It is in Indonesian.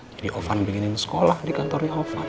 jadi ovan bikinin sekolah di kantornya ovan